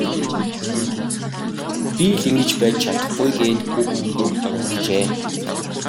Би л ингэж байж чадахгүй гээд хүүхэн бүр уурлажээ.